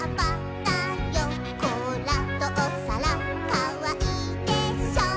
「こうらとお皿かわいいでしょ！」